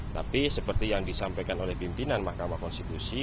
tapi seperti yang disampaikan oleh pimpinan mahkamah konstitusi